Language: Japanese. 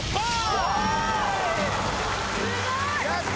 すごい！